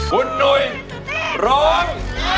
คุณหนุ่ยร้อง